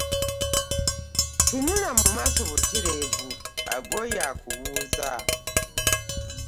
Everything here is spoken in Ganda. Tunula mu maaso butereevu agooyo akubuuza.